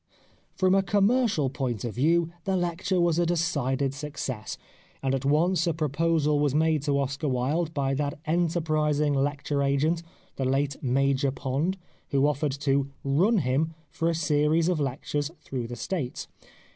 From a commercial point of view the lecture was a decided success, and at once a proposal was made to Oscar Wilde by that enterprising lecture agent, the late Major Pond, who offered to " run him " for a series of lectures through the States.